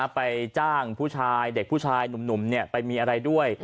ไปจ้างผู้ชายเด็กผู้ชายหนุ่มไปมีอะไรด้วย